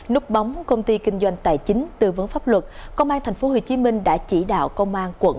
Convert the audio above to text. núp bóng công ty kinh doanh tài chính tư vấn pháp luật công an tp hcm đã chỉ đạo công an quận